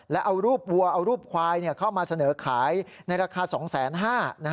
และเอารูปวัวเอารูปควายเข้ามาเสนอขายในราคา๒๕๐๐บาท